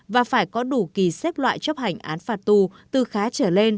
và phải có đủ kỳ xếp loại chấp hành án phạt tù từ khá trở lên